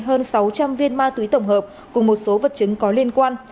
hơn sáu trăm linh viên ma túy tổng hợp cùng một số vật chứng có liên quan